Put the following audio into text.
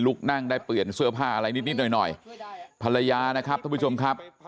นั่งได้เปลี่ยนเสื้อผ้าอะไรนิดนิดหน่อยหน่อยภรรยานะครับท่านผู้ชมครับ